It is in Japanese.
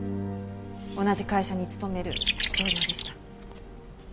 同じ会社に勤める同僚でした。